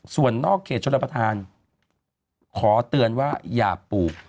ส่วนนอกเขตชนประธานขอเตือนว่าอย่าปลูก